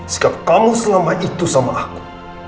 sikap kamu selama itu sama aku